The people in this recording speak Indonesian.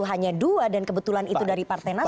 hanya dua dan kebetulan itu dari partenas